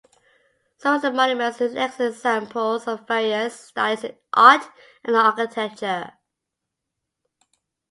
Some of the monuments are excellent examples of various styles in art and architecture.